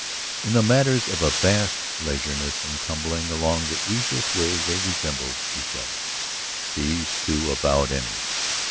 In the matters of a vast leisureliness and tumbling along the easiest way they resembled each other, these two avowed enemies.